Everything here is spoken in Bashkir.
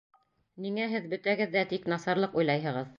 Ниңә һеҙ бөтәгеҙ ҙә тик насарлыҡ уйлайһығыҙ?